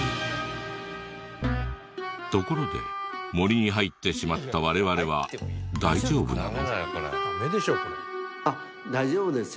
ところで森に入ってしまった我々は大丈夫なの？